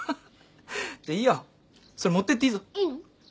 じゃいいよ。それ持ってっていいぞ。いいの？